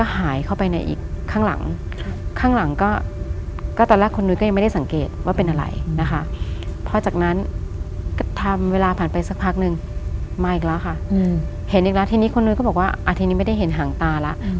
เห็นอีกแล้วค่ะเห็นอีกแล้วทีนี้คุณนุยก็บอกว่าอ่าทีนี้ไม่ได้เห็นห่างตาแล้ว